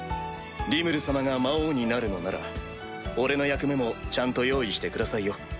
リムル様が魔王になるのなら俺の役目もちゃんと用意してくださいよ。